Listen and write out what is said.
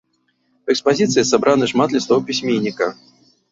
У экспазіцыі сабраны шмат лістоў пісьменніка.